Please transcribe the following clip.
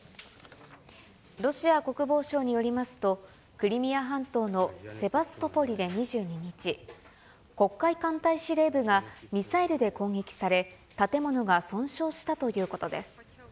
ロシア国防省によりますと、クリミア半島のセバストポリで２２日、黒海艦隊司令部がミサイルで攻撃され、建物が損傷したということです。